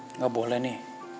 enggak boleh nih